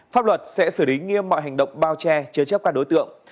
pháp luật sẽ xử lý nghiêm mọi hành động bao che chế chấp các đối tượng